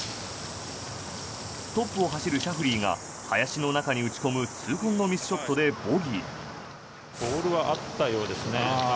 トップを走るシャフリーが林の中に打ち込む痛恨のミスショットでボギー。